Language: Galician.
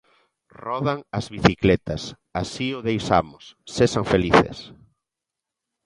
Rodan as bicicletas, así o deixamos, sexan felices.